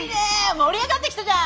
盛り上がってきたじゃん。